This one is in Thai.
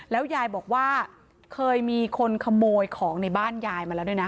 แล้วยายบอกว่าเคยมีคนขโมยของในบ้านยายมาแล้วด้วยนะ